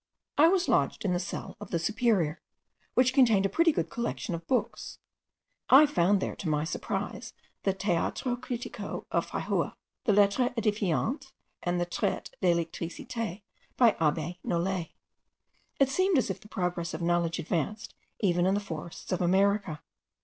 I was lodged in the cell of the superior, which contained a pretty good collection of books. I found there, to my surprise, the Teatro Critico of Feijoo, the Lettres Edifiantes, and the Traite d'Electricite by abbe Nollet. It seemed as if the progress of knowledge advanced even in the forests of America.